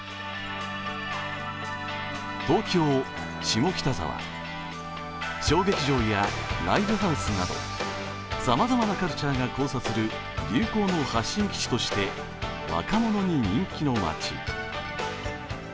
東京・下北沢、小劇場やライブハウスなどさまざまなカルチャーが交差する流行の発信基地として若者に人気の街。